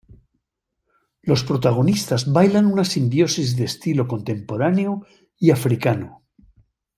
Los protagonistas bailan una simbiosis de estilo contemporáneo y africano.